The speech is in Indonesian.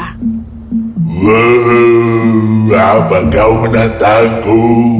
huhu apa kau menantangku